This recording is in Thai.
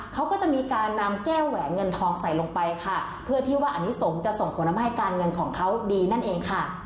เขาก็จะมีการนำแก้วแหวนเงินทองใส่ลงไปค่ะเพื่อที่ว่าอันนี้สงฆ์จะส่งผลทำให้การเงินของเขาดีนั่นเองค่ะ